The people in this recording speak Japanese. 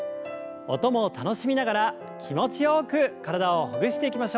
音も楽しみながら気持ちよく体をほぐしていきましょう。